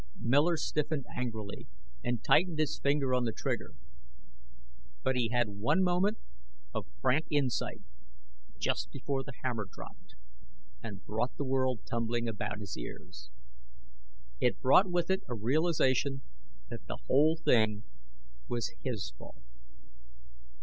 Miller stiffened angrily, and tightened his finger on the trigger. But he had one moment of frank insight just before the hammer dropped and brought the world tumbling about his ears. It brought with it a realization that the whole thing was his fault.